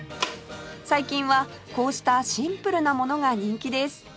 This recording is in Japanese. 最近はこうしたシンプルなものが人気です